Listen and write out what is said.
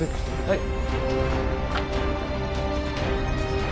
はい。